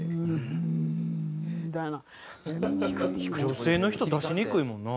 女性の人出しにくいもんな。